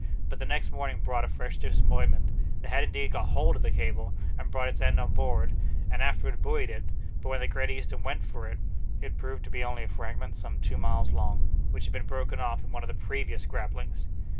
But the next morning brought a fresh disappointment. They had indeed got hold of the cable, and brought its end on board, and afterward buoyed it, but when the Great Eastern went for it, it proved to be only a fragment some two miles long, which had been broken off in one of the previous grapplings.